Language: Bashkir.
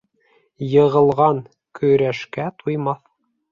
Йығылған көрәшкә туймаҫ